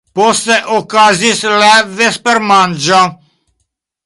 Poste okazis la vespermanĝo.